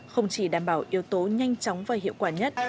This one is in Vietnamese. không chỉ đảm bảo yếu tố nhanh chóng và hiệu quả nhất